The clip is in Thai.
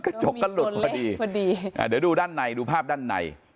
กระจกก็หลุดพอดีพอดีอ่าเดี๋ยวดูด้านในดูภาพด้านใน